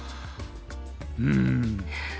うん。